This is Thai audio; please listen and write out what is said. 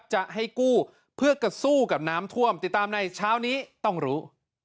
จะให้กู้เพื่อกระสู้กับน้ำท่วมติดตามในเช้านี้ต้องรู้